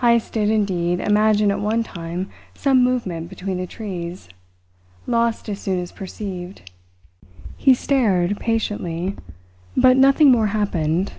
Heyst did, indeed, imagine at one time some movement between the trees, lost as soon as perceived. He stared patiently, but nothing more happened.